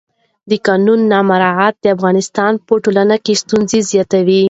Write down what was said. د قانون نه مراعت د افغانستان په ټولنه کې ستونزې زیاتوي